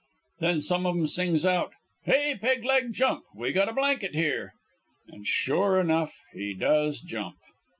"Then some one of 'em sings out: "'Hey, Peg leg, jump! We got a blanket here.' "An' sure enough he does jump!"